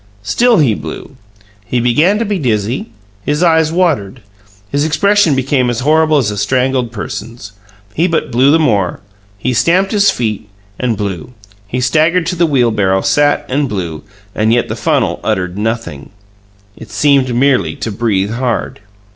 Still he blew. He began to be dizzy; his eyes watered; his expression became as horrible as a strangled person's. He but blew the more. He stamped his feet and blew. He staggered to the wheelbarrow, sat, and blew and yet the funnel uttered nothing; it seemed merely to breathe hard.